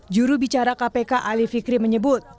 juru bicara kpk ali fikri menyebut